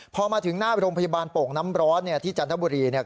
พอมาถึงหน้าโรงพยาบาลโป่งน้ำร้อนเนี่ยที่จันทบุรีเนี่ย